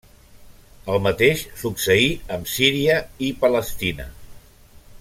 El mateix succeí amb Síria i Palestina.